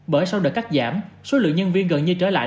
bởi sau đợt cắt giảm số lượng nhân viên gần như trở lại